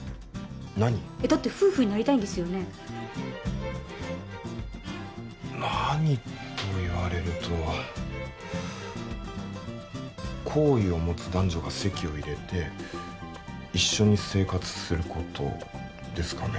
だって夫婦になりたいんですよね何と言われると好意を持つ男女が籍を入れて一緒に生活することですかね